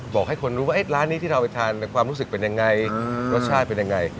บอกให้คนรู้ว่าร้านนี้ที่เราไปทานความรู้สึกเป็นยังไงรสชาติเป็นยังไง